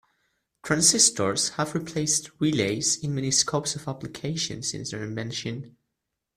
Transistors have replaced relays in many scopes of application since their invention.